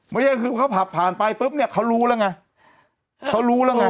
ไม่ใช่คือเขาขับผ่านไปปุ๊บเนี่ยเขารู้แล้วไงเขารู้แล้วไง